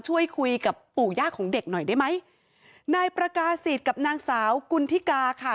ช่วยคุยกับปู่ย่าของเด็กหน่อยได้ไหมนายประกาศิษย์กับนางสาวกุณฑิกาค่ะ